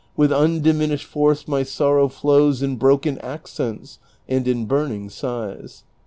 With undiminished force my sorrow flows In broken accents and in burning sighs.